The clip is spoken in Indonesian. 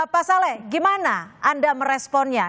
pak saleh gimana anda meresponnya